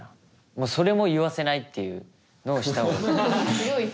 もうそれも言わせないっていうのをした方がいい。